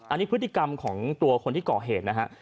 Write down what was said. อันนี้พฤติกรรมของตัวคนที่ก่อเหตุนะฮะ